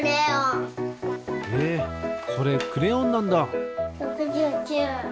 えっそれクレヨンなんだ！